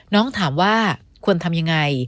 น้องถามว่าควรทำยังไง